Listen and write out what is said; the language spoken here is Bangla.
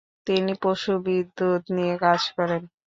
তিনি পশুবিদ্যুৎ নিয়ে কাজ করেন।